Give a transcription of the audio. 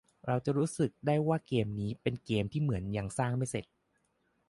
เราจะรู้สึกได้ว่าเกมนี้เป็นเกมที่เหมือนยังสร้างไม่เสร็จ